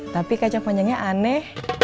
tapi kacang panjangnya aneh